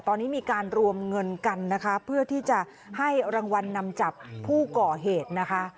ตอนนี้มีการรวมเงินกันนะคะเพื่อที่จะให้รางวัลนำจับผู้ก่อเหตุนะคะ